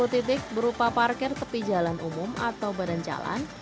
tiga ratus delapan puluh titik berupa parkir tepi jalan umum atau badan jalan